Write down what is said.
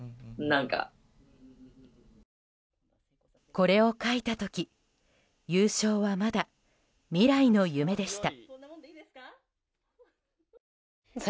これを書いた時優勝は、まだ未来の夢でした。